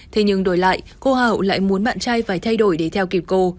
thế nhưng đổi lại cô hậu lại muốn bạn trai phải thay đổi để theo kịp cô